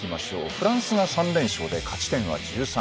フランスが３連勝で勝ち点は１３。